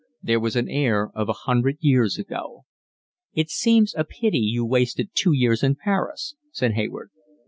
There was an air of a hundred years ago. "It seems a pity you wasted two years in Paris," said Hayward.